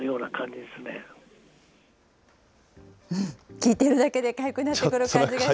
聞いているだけでかゆくなってくる感じがして。